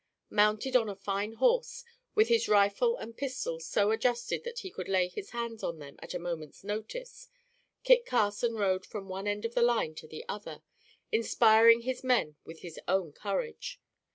Mounted on a fine horse, with his rifle and pistols so adjusted that he could lay his hands on them at a moment's notice, Kit Carson rode from one end of the line to the other, inspiring his men with his own courage.